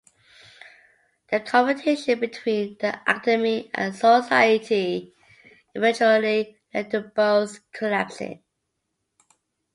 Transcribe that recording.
The competition between the Academy and Society eventually led to both collapsing.